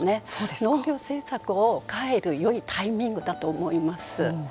農業政策を変えるよいタイミングだと思います。